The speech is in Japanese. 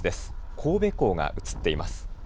神戸港が映っています。